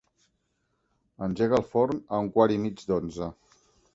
Engega el forn a un quart i mig d'onze.